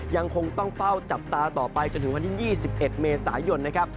ยังคงต้องเฝ้าจับตาต่อไปจนถึงวันที่๒๑เมษายนนะครับ